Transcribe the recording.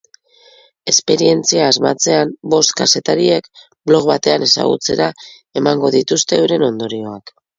Esperientzia amaitzean, bost kazetariek blog batean ezagutzera emango dituzte euren ondorioak.